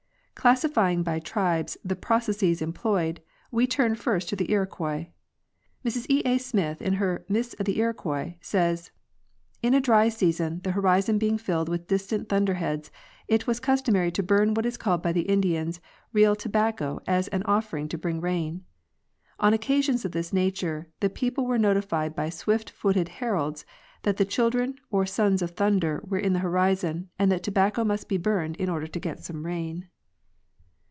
Classifying by tribes the processes employed, we turn first to the Iroquois. Mrs E. A. Smith, in her " Myths of the Iroquois," says: In a dry season, the horizon being filled with distant thunder heads, it was customary to burn what is called by the Indians real tobacco as an offering to bring rain. On occasions of this nature the people were notified by swift footed heralds that the children, or sons, of Thunder were in the horizon, and that tobacco must be burned in order to get some rain.